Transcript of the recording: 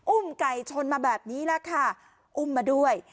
ุ่มไก่ชนมาแบบนี้แหละค่ะอุ้มมาด้วย